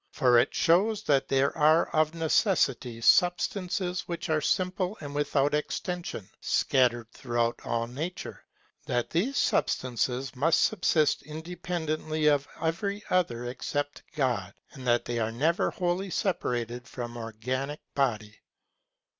For it shows that there are of necessity substances which are simple and without extension, scattered throughout all Nature; that these substances must subsist independently of every other except God; and that they are never wholly separated from organic body.